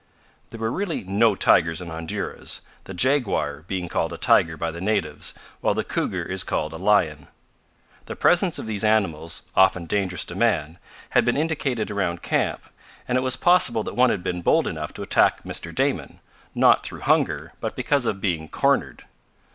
There were really no tigers in Honduras, the jaguar being called a tiger by the natives, while the cougar is called a lion. The presence of these animals, often dangerous to man, had been indicated around camp, and it was possible that one had been bold enough to attack Mr. Damon, not through hunger, but because of being cornered.